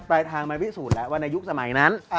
ปลายทางมันพิสูจน์แล้วว่าในยุคสมัยนั้น